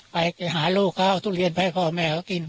ไปหาลูกเขาเอาทุเรียนไปให้พ่อแม่เขากิน